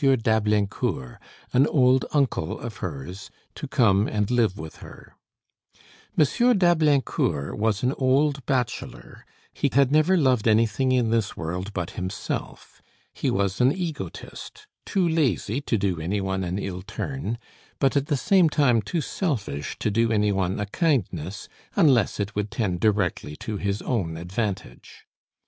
d'Ablaincourt, an old uncle of hers, to come and live with her. M. d'Ablaincourt was an old bachelor; he had never loved anything in this world but himself. He was an egotist, too lazy to do any one an ill turn, but at the same time too selfish to do any one a kindness, unless it would tend directly to his own advantage.